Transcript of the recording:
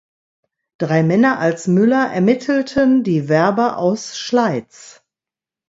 Drei Männer als Müller ermittelten die Werber aus Schleiz.